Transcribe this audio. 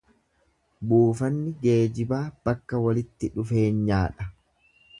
Buufanni geejibaa bakka walitti dhufeenyaa dha.